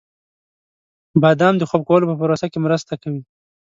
• بادام د خوب کولو په پروسه کې مرسته کوي.